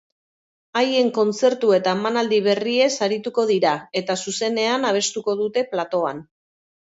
Haien kontzertu eta emanaldi berriez arituko dira eta zuzenean abestuko dute platoan.